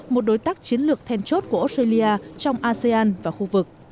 một đối tác chiến lược then chốt của australia trong asean và khu vực